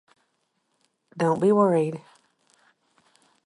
Don't be worried.